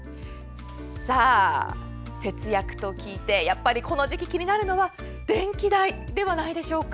さあ、節約と聞いてこの時期気になるのは電気代ではないでしょうか。